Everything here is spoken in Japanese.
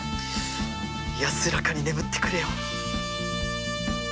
安らかに眠ってくれよ。